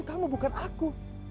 kamu bukan aku